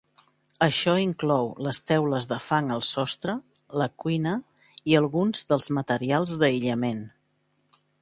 Això inclou les teules de fang al sostre, la cuina i alguns dels materials d'aïllament.